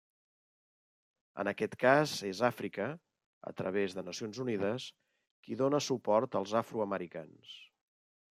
En aquest cas és Àfrica, a través de Nacions Unides, qui dóna suport als afroamericans.